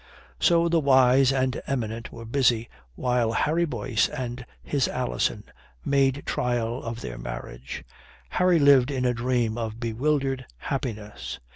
So the wise and eminent were busy while Harry Boyce and his Alison made trial of their marriage. Harry lived in a dream of bewildered happiness.